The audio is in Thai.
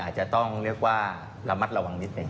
อาจจะต้องเรียกว่าระมัดระวังนิดหนึ่ง